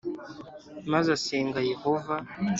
Maze asenga yehova